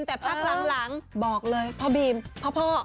แต่พักหลังบอกเลยพ่อบีมพ่อ